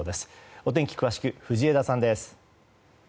お天気、詳しく藤枝さんです。